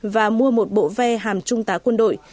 và mua một bộ ve hàm trung tá quân đội